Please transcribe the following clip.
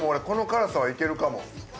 この辛さはいけるかも。